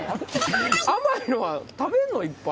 甘いのは食べるの？いっぱい。